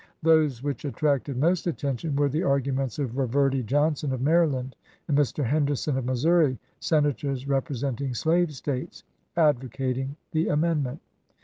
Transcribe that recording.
Those which attracted most attention were the arguments of Reverdy Johnson of Maryland and Mr. Henderson of Missouri, — Senators representing slave States, — advocating the amendment.